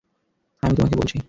আমিই তোমাকে বলছি।